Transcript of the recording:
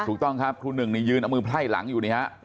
ถูกต้องครับครูหนึ่งนี่ยืนเอามือไพ่หลังอยู่นี่ฮะ